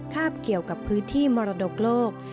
คาบเกี่ยวกับพื้นที่มรดกโลก